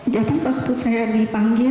jangan waktu saya dipanggil